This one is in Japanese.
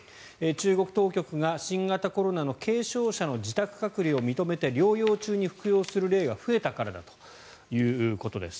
中国当局が新型コロナの軽症者の自宅隔離を認めて療養中に服用する例が増えたからだということです。